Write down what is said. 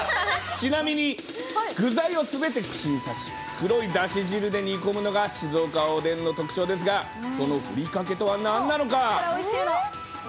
ちなみに具材をすべて串に刺し、黒いだし汁で煮込むのが静岡おでんの特徴ですが、このふりかけとあれ、おいしいの。